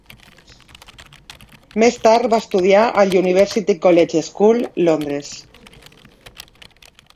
Més tard va estudiar al University College School, Londres.